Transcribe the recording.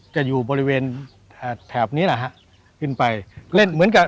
จะอยู่บริเวณแถบนี้แหละฮะขึ้นไปเล่นเหมือนกัน